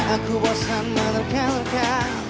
aku bosan menerka nerka